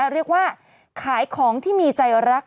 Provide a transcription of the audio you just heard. เรียกว่าขายของที่มีใจรัก